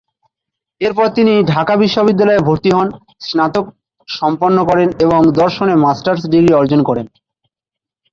এরপর তিনি ঢাকা বিশ্ববিদ্যালয়ে ভর্তি হন, স্নাতক সম্পন্ন করেন এবং দর্শনে মাস্টার্স ডিগ্রী অর্জন করেন।